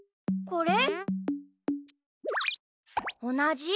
これ？